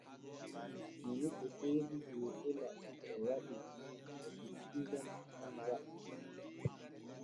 Nani fotooji jootela ɗi o waɗi gam hollitingo no kon wa’i.